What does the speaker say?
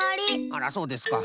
あらそうですか。